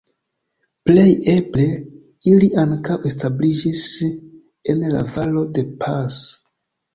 Plej eble, ili ankaŭ establiĝis en la Valo de Pas.